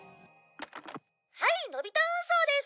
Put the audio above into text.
「はいのび太運送です」